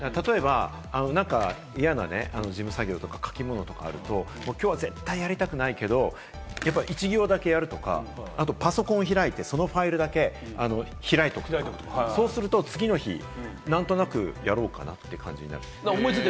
何か嫌な事務作業とか書き物とかあると、きょうは絶対やりたくないけれど、１行だけやるとか、パソコン開いて、そのファイルだけ開いておくとか、そうすると次の日、何となくやろうかなって感じになる。